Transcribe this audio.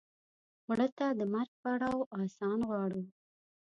مړه ته د مرګ پړاو آسان غواړو